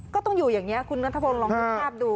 ก็ต้องอยู่อย่างนี้คุณนัทพลลองนึกภาพดู